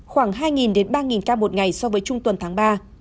khoảng hai ba ca một ngày so với trong tuần tháng ba